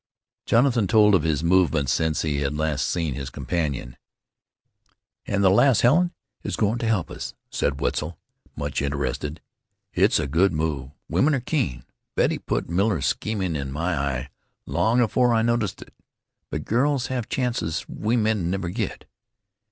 Jonathan told of his movements since he had last seen his companion. "An' the lass Helen is goin' to help us," said Wetzel, much interested. "It's a good move. Women are keen. Betty put Miller's schemin' in my eye long 'afore I noticed it. But girls have chances we men'd never get."